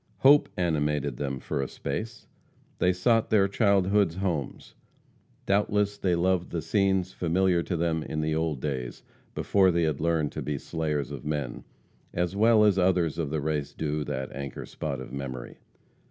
Hope animated them for a space. They sought their childhood's homes. Doubtless they loved the scenes familiar to them in the old days, before they had learned to be slayers of men, as well as others of the race do that anchor spot of memory.